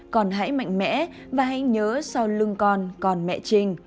con hãy mạnh mẽ và hãy nhớ sau lưng con con mẹ trinh